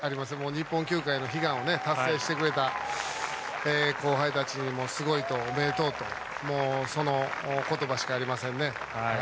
日本球界の悲願を達成してくれた後輩たちにすごいと、おめでとうと、その言葉しかありませんね。